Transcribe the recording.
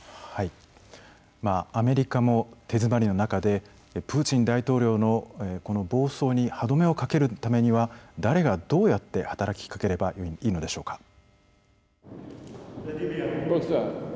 アメリカも手詰まりな中でプーチン大統領の暴走に歯止めをかけるためには誰がどうやって働きかければいいのでしょうか。